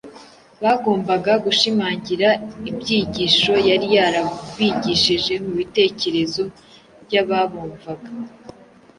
Bagombaga gushimangira ibyigisho yari yarabigishije mu bitekerezo by’ababumvaga.